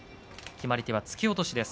決まり手は、突き落としです。